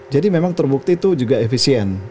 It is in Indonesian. jadi memang terbukti itu juga efisien